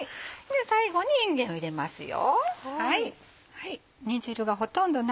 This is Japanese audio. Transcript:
最後にいんげんを入れますよ。